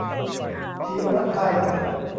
ถิรไทย